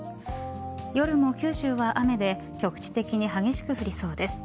夜も九州は雨で局地的に激しく降りそうです。